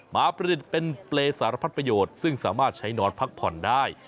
มาประดิษฐ์เป็นเปรย์สารพัดประโยชน์ซึ่งสามารถใช้นอนพักผ่อนได้